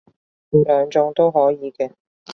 兩種都可以嘅